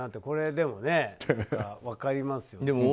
これでもね、分かりますよね。